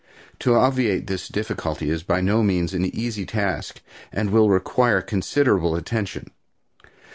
To obviate this difficulty is by no means an easy task and will require considerable attention.